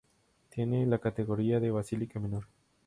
Tiene la categoría de basílica menor.